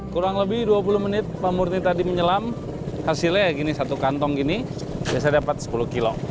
kurang lebih dua puluh menit pak murni tadi menyelam hasilnya gini satu kantong gini biasa dapat sepuluh kilo